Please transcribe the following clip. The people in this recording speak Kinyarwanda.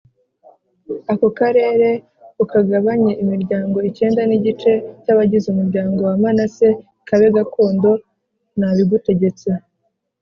Ako karere ukagabanye imiryango icyenda n’igice cy’abagize umuryango wa Manase kabe gakondo nabigutegetse